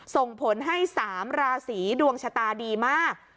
ส่งผลให้๓ราศีดวงชะตาดีมาก